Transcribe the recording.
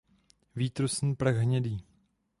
Výtrusný prach hnědý.